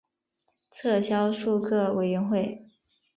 撤销数个委员会。